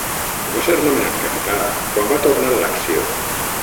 Va ser nomenat capità quan va tornar a l'acció.